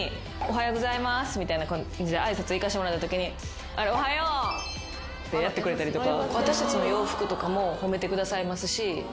みたいな感じで挨拶行かしてもらったときに。ってやってくれたりとか。